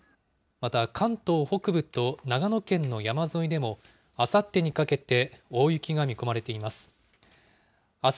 また、関東北部と長野県の山沿いでも、あさってにかけて大雪が見込まれています。